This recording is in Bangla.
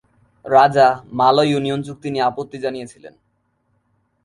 রাজা মালয় ইউনিয়ন চুক্তি নিয়ে আপত্তি জানিয়েছিলেন।